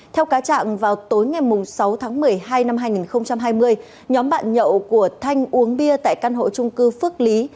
theo cáo trạng vào tối ngày sáu tháng một mươi hai năm hai nghìn hai mươi nhóm bạn nhậu của thanh uống bia tại căn hộ trung cư phước lý